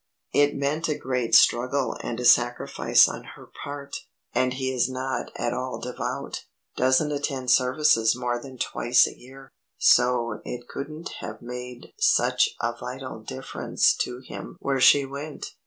It meant a great struggle and a sacrifice on her part, and he is not at all devout, doesn't attend services more than twice a year; so it couldn't have made such a vital difference to him where she went.